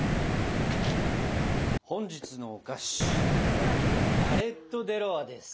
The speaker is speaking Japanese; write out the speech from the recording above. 本日のお菓子ガレット・デ・ロワです。